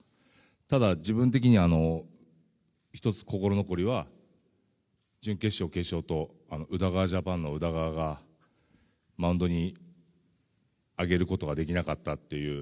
ただ、自分的には１つ心残りは準決勝、決勝と宇田川ジャパンの宇田川をマウンドに上げることができなかったという。